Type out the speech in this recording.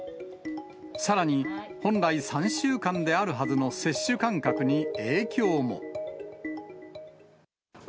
さらに、本来、３週間であるはずの接種間隔に影響も。